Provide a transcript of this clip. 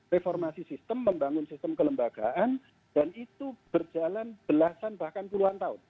reformasi sistem membangun sistem kelembagaan dan itu berjalan belasan bahkan puluhan tahun